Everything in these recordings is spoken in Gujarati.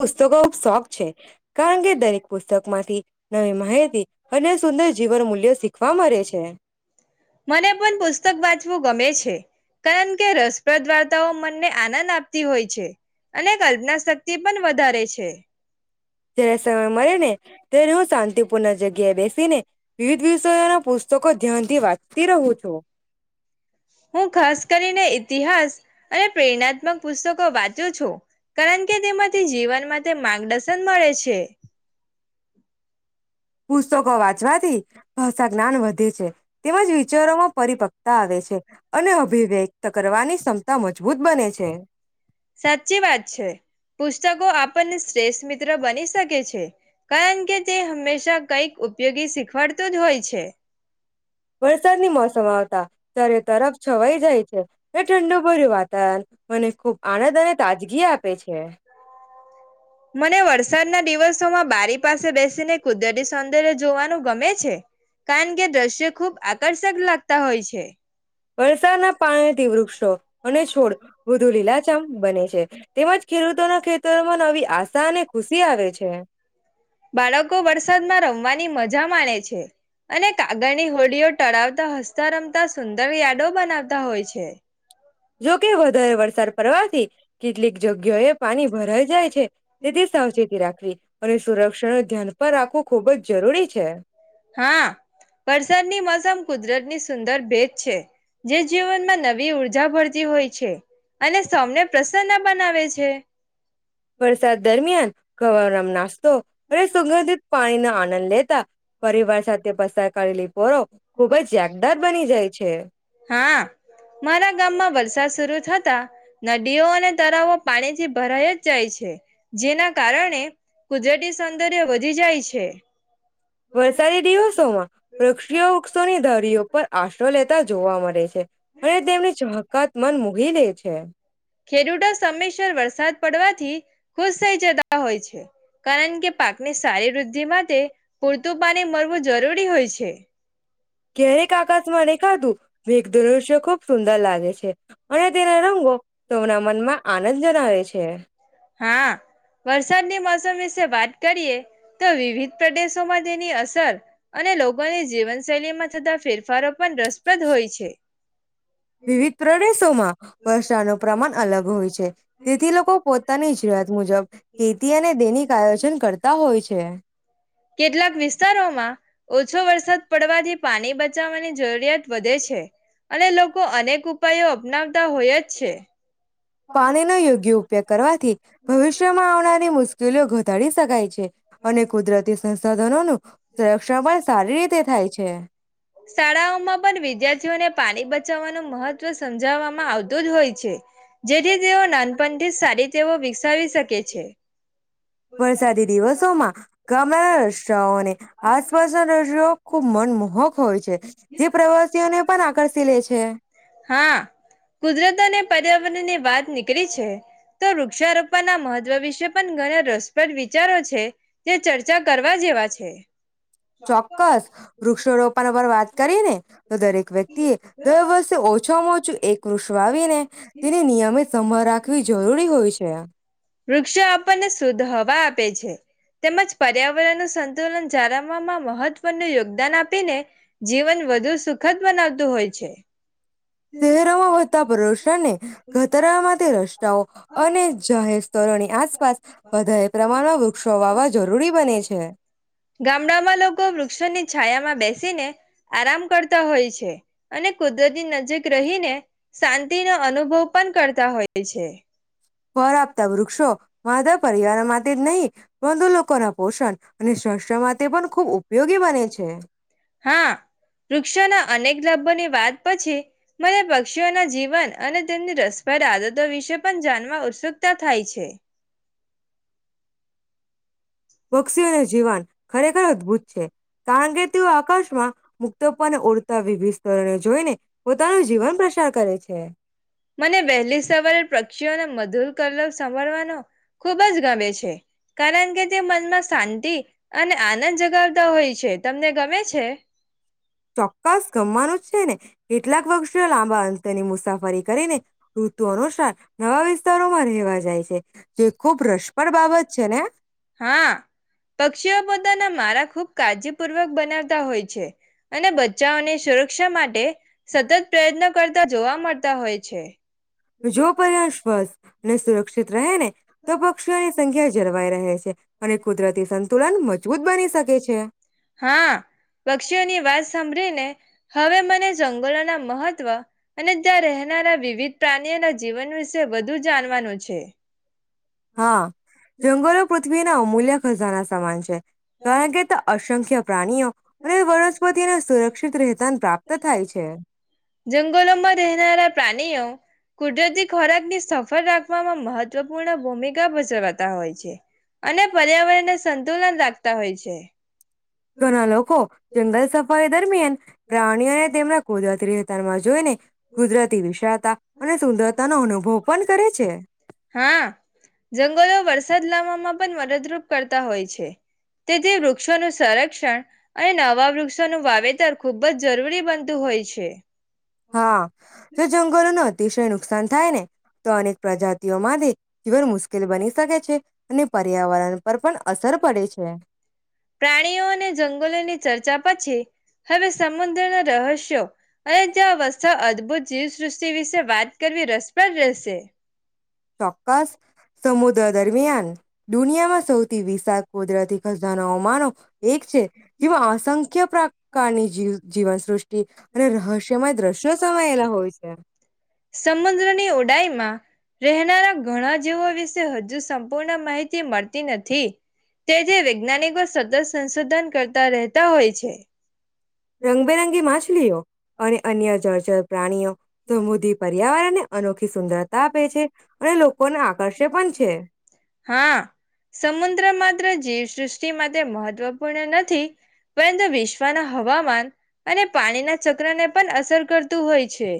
પુસ્તકોબ શોખ છે કારણ કે દરેક પુસ્તક માંથી નવી માહદી અને સુંદર જીવન મૂલ્યો શીખવા મળે છે. મને પણ પુસ્તક વાંચવું ગમે છે. કે કારણ કે રસપ્રદ વાર્તાઓ મનને આનંદ આપતી હોય છે અને કલ્પના શક્તિ પણ વધારે છે જયારે સમય મળે ને ત્યારે હું શાંતિપૂર્ણ જગ્યાએ બેસી ને વિવિધ વિષયોના પુસ્તકો ધ્યાનથી વાંચતી રહ્યું. છો. હું ખાસ કરીને ઈતિહાસ અને પ્રેરણાત્મક પુસ્તકો વાંચ્યો છું કારણ કે તેમાંથી જીવન માટે માર્ગદર્શન મળે છે. પુસ્તકો વાંચવાથી. બસ આ જ્ઞાન વધે છે. તેમજ વિચારોમાં પરિપક્તા આવે છે અને અભિવ્યક્ત કરવાની ક્ષમતા મજબૂત બને છે. સાચી વાત છે પુસ્તકો આપણને શ્રેષ્ઠ મિત્ર બની શકે છે કારણ કે તે હંમેશા કઈક ઉપયોગી શીખવાડતું જ હોય છે. વરસાદની મોસમ આવતા. તરે તરફ છવાઈ જાય છે ઠંડુ ભર્યું વાતાવરણ મને ખૂબ આનંદ અને તાજગી આપે છે. મને વરસાદના દિવસોમાં બારી પાસે બેસીને કુદરતી સૌંદર્ય જોવાનું ગમે છે કારણ કે દ્રશ્ય ખુબ આકર્ષક લાગતા હોય છે. ઓ કે. વરસાદના પાણીથી વૃક્ષો અને છોડ વધુ લીલાચામ બને છે તેમજ ખેડૂતોના ખેતરોમાં નવી. આશા અનેને ખુશી આવે છે. બાળકો વરસાદમાં રમવાની મજા માને છે અને કાગળની હોડીઓ ટળાવતા હસતા રમતા સુંદર યાર્ડો બનાવતા હોય છે. જોકે વધારે વરસાદ પડવાથી. કેટલી. જગ્યા એ પાણી ભરાઈ જાય છે. તે તે સાવચેતી રાખવી અને સુરક્ષા ન ધ્યાન પણ રાખવું ખૂબ જ જરૂરી છે. હા વરસાદની મોસમ કુદરતની સુંદર ભેદ છે જે જીવનમાં નવી ઉર્જા ભરતી હોય છે અને સૌને પ્રસન્ન બનાવે છે. વરસાદ દરમિયાન ગવામ નાસ્તો અને સુગંધિત પાણીનો આનંદ લેતા. પરિવાર સાથે પસાર. કરેલી પોરો ખુબ જ યાાગદાર બની જાય છે. હા મારા ગામમાં વરસાદ શરુ થતા નદીઓ અને તળવો પાણીથી ભરાઈ જ જાય છે જેના કારણે કુજરતી સૌંદર્ય વધી જાય છે. વરસાદી દિવસોમાં વૃક્ષીઓ વૃક્ષોની ધર. પ્રયો. પર આશરો લેતા જોવા મળે. છે અને તેમને ચકાત મન મૂકી લે છે. હ [unintelligible] ખેડૂતો સમયસર વરસાદ પડવાથી ખુશ થઈ જતા હોય છે કારણ કે પાકની સારી વૃદ્ધિ માટે પૂરતું પાણી મળવું જરૂરી હોય છે. ક્યારેક આકાશમાંને ખાધું વેઘ દ્રશ્ય ખુબ સુંદર લાગે. છે. અને તેના રંગો તેમના મનમાં આનંદ જનાવે છે. હા વરસાદની મોસમ વાત કરીએ તો વિવિધ પ્રદેશોમાં તેની અસર અને લોકોની જીવનશૈલી માં થતા ફેરફારો પણ રસપ્રદ હોય છે. વિવિધ. પ્રણય સોમા. વર્ષા ન પ્રમાણ અલગ હોય છે. તેથી લોકો પોતાની જત. મુજબ. ખેતી અને દૈનિક આયોજન કરતા હોય છે. કેટલાક વિસ્તારોમાં ઓછો વરસાદ પડવાથી પાણી બચાવવાની જરૂરિયાત વધે છે. અને લોકો અનેક. પાયો અપનાવતા હોય જ છે. પાણી ના યોગ્ય કરવાથી ભવિષ્યમાં આવનારી મુશ્કેલીઓ ઘટાડી શકાય છે અને કુદરતી સંસાધનો ન સંરક્ષણ પણ સારી રીતે થાય છે શાળાઓમાં પણ વિદ્યાર્થીઓને પાણી બચાવવાનું મહત્વ સમજાવવામાં આવતું જ હોય છે જેદી જેઓનાંદ પથીિત સારી તેવ વિકસાવી શકે છે વરસાદી દિવસોમાં ગામડાના રસ્તાઓ અને આસપાસના દશ્યો ખુબ મનમોહક હોય છે જે પ્રવાસીઓને પણ આકર્ષી લે છે હા કુદરત અને પર્યાવરણની વાત નીકળી છે તો વૃક્ષારોપણના મહત્વ વિશે પણ ઘણા રસપ્રદ વિચારો છે જે ચર્ચા કરવા જેવા છે ચોક્કસ વૃક્ષ રોપણ વાત કરીને તો દરેક વ્યક્તિ એ દર વર્ષે ઓછામાં ઓછું એક વૃષ વાવીને તેને નિયમિત સમ રાખવી જરૂરી હોય છે આ વૃક્ષો આપણને શુદ્ધ હવા આપે છે તેમજ પર્યાવરણનું સંતુલન જાળવવામાં મહત્વનું યોગદાન આપીને જીવન વધુ સુખદ બનાવતું હોય છે શહેરોમાં વધતા પ્રદુષણને ઘતરામાંથી રસ્તાઓ અને જાહેર ની આસપાસ વધારે પ્રમાણમાં વૃક્ષો વાવા જરૂરી બને છે ગામડામાં લોકો વૃક્ષોની છાયામાં બેસીને આરામ કરતા હોય છે અને કુદરતી નજીક રહીને શાંતિ નો અનુભવ પણ કરતા હોય છે પર આપતા વૃક્ષો, માધા પરિવાર માટે જ નહી. બંધુ લોકોના પોષણ, અને સ્સ્થ માટે તે પણ ખૂબ ઉપયોગી બને છે. ભોની વાત પછી, મને પક્ષીઓના જીવન અને તેમની રસભર આદતો વિશે પણ જાણવા ઉત્સુકતા થાય છે. પક્ષીઓનું જીવન ખરેખર અદભુત છે, કારણ કે તેઓ આકાશમાં મુક્તપાને ઓડતા વિવિધ સ્તરણે જોઈને પોતાનું જીવન પ્રસાર કરે છે. [unintelligible] મને વહેલી સવારે પક્ષીઓને મધુર કલક સાભળવાનો, ખૂબ જ ગમે છે, કારણ કે તે મનમાં શાંતિ, અને આનંદ જગાવતા હોય છે તમને ગમે છે? ચોક્કસ ગમવાનું છે ને. કેટલાક વર્ષો લાંબા [unintelligible] તેની મુસાફરી કરીને, ઋતુ અનુસાર નવા વિસ્તારોમાં રહેવા જાય છે. જે ખૂબ રસપ્રદ બાબત છે ને હા પક્ષીઓ પોતાના મારા ખુબ કાળજીપૂર્વક બનાવતા હોય છે. અને બચ્ચાઓને સુરક્ષ શે માટે સતત પ્રયત્ન કરતા જોવા મળતા હોય છે. જો પરસ ફસ ને સુરક્ષિત રહે ને તો પક્ષીઓની સંખ્યા જરવાય તેહ રહશે. અને કુદરતી સંતુલન મજબૂત બની શકે છે. હા, પક્ષીઓની વાત સાંભળી ને હવે મને જંગલોના મહત્વ અને ત્યાં રહેનારા વિવિધ પ્રાણીઓના જીવન વિશે વધુ જાણવાનું છે. હા, જંગલો પૃથ્વી નો અમૂલ્ય ખજાના સામાન છે. કારણ કે તા અસંખ્ય પ્રાણીઓ અને વનસ્પતિને સુરક્ષિત રહેતા પ્રાપ્ત તો થાય છે. જંગલોમાં રહેનારા પ્રાણીઓ કુદરતી ખોરાકને સફળ રાખવામાં મહત્વપૂર્ણ ભૂમિકા ભજવાતા હોય છે. અને પર્યાવરણને સંતુલન રાખતા હોય છે. ઘણા લોકો જંગલ સફારી દરમિયાન પ્રાણીઓને તેમના ગોદા ત્રી તારમાં જોઈ ને ગુજરાતી વિશાળતા અને સુંદરતા નો અનુ ભોપન કરે છે. હા જંગલો વરસાદ લાવવામાં પણ મદદરૂપ કરતા હોય છે. તે જે વૃક્ષોનું સંરક્ષણ અને નવા વૃક્ષોનું વાવેતર ખુબ જ જરૂરી બનતું હોય છે. હા. તો જંગલોનો ત અતિશય નુકસાન થાય ને! તો અનેક પ્રજાતિઓ માતે, જીવન મુસ્કેલ બની સકે છે અને પર્યાવરણ પર પણ અસર પડે છે. પ્રાણીઓ અને જંગલોની ચર્ચા પછી હવે સમુદ્રના રહસ્યો અરે, જ્યાં વસ્થા અદ ભૂત જીવસૃષ્ટિ વિશે વાત કરવી રસ પ્રદ રહેશે. ચોક્કસ, સમુદ્ર દરમિયાન ડુનિયામાં સ સૌથી વિશાદ કુદરતી ખજાનો અમારો એક છે. જેમાં અસંખ્ય પ્રકૃતિ કની જીવ જીવન સૃષ્ટિ અને રહસ્યમાંય દ્રશ્યો સમાયેલા હોય છે સમુદ્રની ઉડાઈમાં રહેનારા ઘણા જેવો વિશે હજુ સંપૂર્ણ માહિતી મળતી નથી. તે જે વૈજ્ઞાનિકો સતત સંશોધન કરતા રહેતા હોય છે. રંગબેરંગી માછલીઓ અને અન્ય જર ચ પ્રાણીઓ સમુદ્રી પર્યાવરણને અનોખી સુંદરતા આપે છે અને લોકોને આકર્ષે પણ છે. હા. સમુદ્ર માત્ર જીવસૃષ્ટિ જે માટે મહત્વપૂર્ણ નથી પરંતુ વિશ્વના હવામાન અને પાણીના ચક્ર ને પણ અસર કરતું હોય છે.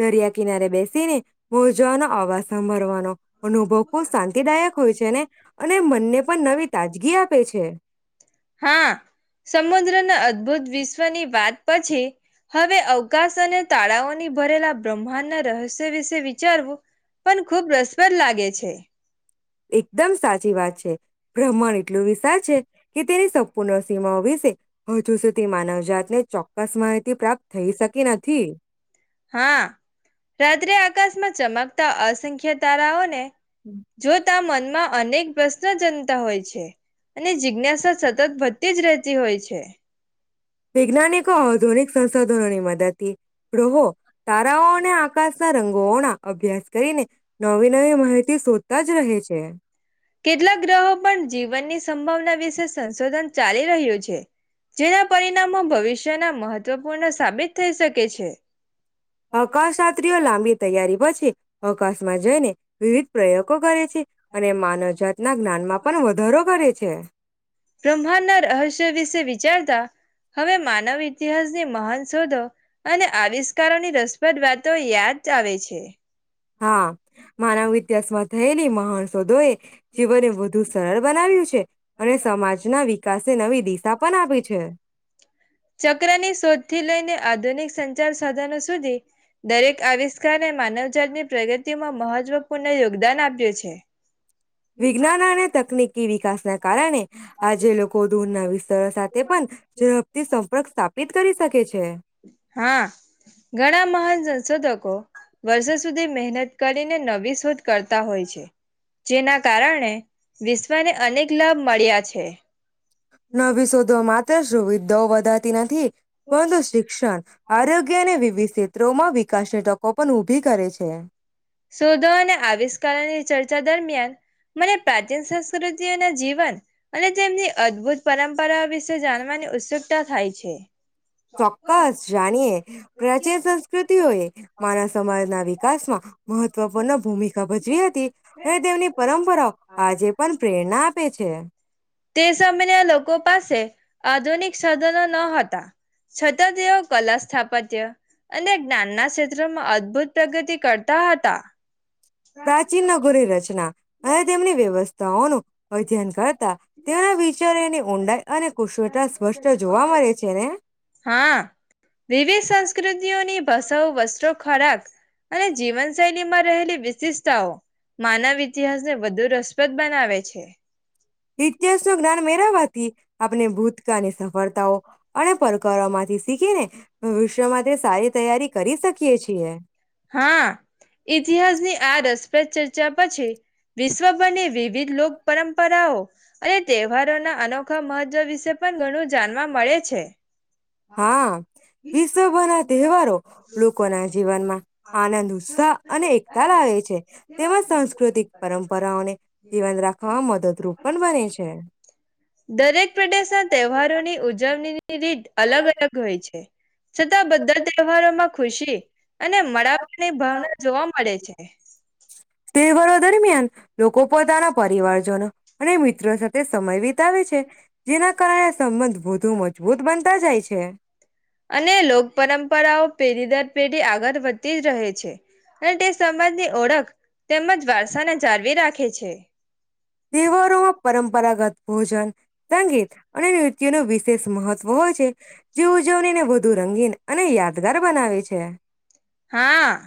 દરિયા કિનારે બેસીને મોજાનો આવાજ સંભરવાદ તો અનુભવ ખુબ શાંતિદાયક હોય છે. ને અને મનને પણ નવી તાજગી આપે છે. હા. સમુદ્રને અદ બુદ્ધ વિશ્વની વાત પછી હવે અવકાશ અને તાળાઓની ભરેલા બ્રહ્માંડના રહસ્ય વિશે વિચારવું પણ ખૂબ રસપદ લાગે છે. એકદમ સાચી વાત છે. બ્રહ્મણ એટલું વિસજ કે તેની સંપૂર્ણ સીમાઓ વિશે હજુ સુધી માનવજાતને ચોક્કસ માહિતી પ્રાપ્ત થઈ શકી નથી. હા રાત્રે આકાશમાં ચમકતા અસંખ્ય તારાઓને જો ત મન અનેક પ્રશ્ન જનતા હોય છે અને જિજ્ઞાસા સતત વધતી જ રહેતી હોય છે. વૈજ્ઞાનિકો આધુનિક સંસાધનોની વદથી ગ્રહો તારાઓ ને આકાશ સ રંગોણા અભ્યાસ કરીને નવી નવી માહિતી શોધતા જ રહે છે. કેટલાક ગ્રહો પણ જીવનની સંભાવના વિશે સંશોધન ચાલી રહ્યું છે જેના પરિણામો ભવિષ્યના મહત્વપૂર્ણ સાબિત થઈ શકે છે. હકાશત્ર્રીઓ લાંબી તૈયારી પછી અકાશમાં જઈને વિવિધ પ્રયોગ કરે છે અને માનવજાતના જ્ઞાનમાં પણ વધારો કરે છે [unintelligible] બ્રહ્માંડના રહસ્ય વિશે વિચારતા હવે માનવ ઇતિહાસની મહાન શોધો અને આવિષ્કારોની રસપ્રદ વાતો યાદ આવે છે. હા માનવ ઇતિહાસમાં થયેલી મહણ શોધો એ જીવન એ વધુ સ સરળ બનાવ્યું છે. અને સમાજના વિકાસને નવી દિસા પન આપી છે. ચક્રની સોધથી લઈને આધુનિક સંચાર સાધનો સુધી, દરેક આવિસ્કારએ માનવજાતની પ્રગતિમાં મહજવપૂર્ણ યોગદાન આપ્યું છે. વિજ્ઞાન અને તકનીક બી વિકાસના કારણે આજે લોકો દૂરના વિસ્તારો સાથે પન ઝદપથી સંપર્ક સ્થાપિત કરી સકે છે. હા, ઘણા મહાન સંસોધકો, વરસો સુધી મહેનત કરીને નવી સોધ કરતા હોય છે, જેના કારણે વિશ્વને અનેક. ક્લબ મળ્યા છે. [unintelligible] તો સુવિધાઓ વધાતી નથી, પઅંતુ શિક્ષન, આરોગ્ય અને વિવિધ સેત્રોમાં વિકાશની તકો પન ઊભી કરે છે. શોધો અને આવિષ્કારોની ચર્ચા દરમિયાન મને પ્રાચીન સંસ્કૃતિઓના જીવન અને તેમની અદભુત પરંપરાઓ વિશે જાણવાની ઉત્સુકતા થાય છે. ચોક્કસ જાણીએ. પ્રાચીન સંસ્કૃતિઓએ માનવ સમાજના વિકાસમાં મહત્વપૂર્ણ ભૂમિકા ભજવી હતી અને તેમની પરંપરાઓ આજે પણ પ્રેરણા આપે છે. તે સામેના લોકો પાસે આધુનિક સાધનો ન હતા, છતાં તેઓ કલા સ્થાપત્ય અને જ્ઞાનના સેત્રમાં અદભુત પ્રગતિ કરતા હતા. પ્રાચીન નગોરી રચના. અને તેમની વ્યવસ્થાઓનું અધ્યન કરતા તેઓના વિચારેની ઉ ઊંડાઈ અને કુશવેટા સ્પષ્ટ જોવા મળે છે ને! હા, વિવિધ સંસ્કૃતિઓની ભસાઓ, વસ્ત્રો ખોરાક, અને જીવન સૈલીમાં રહેલી વિસીસતાઓ માનવ ઇતિહાસને વધુ રસપ્રદ બનાવે છે. ઇતિહાસનું જ્ઞાન મેરવવાથી, આપને ભૂતકાળની સફળતાઓ અણે પરકારોમાંથી સીખીને ભવિષ્ય માતે સારી તૈયારી કરી સકીએ છીએ. હા ઇતિહાસની આ રસપ્રદ. ચચા પછી વિશ્વ બંને વિ. વિધ લોક પરંપરાઓ. અને તહેવારોના અનોખા મહત્વ વિશે પણ ઘણું જાણવા મળે છે. હા વિશ્વભ ના તહેવારો લોકો ના જીવનમાં. આનંદ ઉત્સાહ અને એકતા લાવે છે તેમજ સાંસ્કૃતિક પરંપરાઓને જીવન રાખવામાં મદદરૂપ પણ બને છે. દરેક પ્રદેશના તહેવારોની ઉજવણીની રીત. અલગ અલગ હોય છે છતાં બધા તહેવારોમાં ખુશી. અને મળવાની ભાવના જોવા મળે છે. તહેવારો દરમિયાન લોકો પોતાના પરિવારજનો અને મિત્રો સાથે. તે સમય વિતાવે છે જેના કારણે સંબંધ વધુ મજબૂત બનતા જાય છે. અને લોક પરંપરાઓ પેઢી દર પેઢી આગળ વધતી જ રહે છે અને તે સમાજની ઓળખ તેમજ વારસાને જાળવી રાખે છે. તહેવારોમાં પરંપરા. બરા ગત ભોજન. સંગીત અને નૃત્ય ન વિશેષ મહત્વ હોય છે જે ઉજવણીને વધુ રંગીન અને યાદગાર બનાવે છે. હા